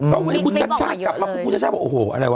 คุณชาวกลับมาคุณชาวบอกโอ้โหอะไรวะ